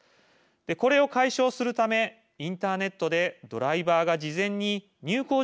これを解消するためインターネットでドライバーが事前に入構時刻を予約します。